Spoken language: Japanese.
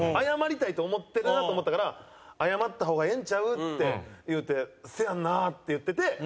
謝りたいと思ってるなと思ったから「謝った方がええんちゃう？」って言うて「せやんな」って言ってて。